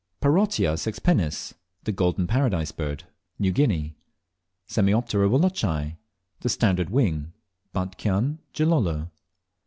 8. Parotia sexpennis (The Golden Paradise Bird). New Guinea. 9. Semioptera wallacei (The Standard Wing). Batchian, Gilolo.